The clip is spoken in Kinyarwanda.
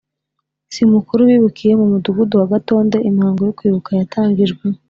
si mukuru bibukiye mu Mudugudu wa Gatonde Imihango yo kwibuka yatangijwe